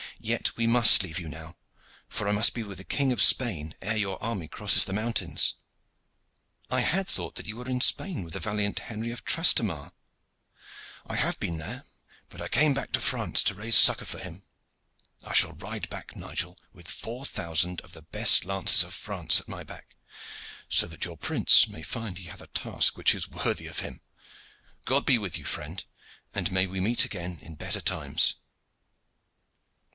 Yet we must leave you now, for I must be with the King of Spain ere your army crosses the mountains." "I had thought that you were in Spain with the valiant Henry of Trastamare." "I have been there, but I came to France to raise succor for him. I shall ride back, Nigel, with four thousand of the best lances of France at my back, so that your prince may find he hath a task which is worthy of him. God be with you, friend, and may we meet again in better times!"